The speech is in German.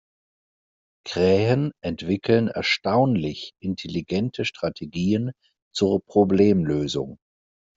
Krähen entwickeln erstaunlich intelligente Strategien zur Problemlösung.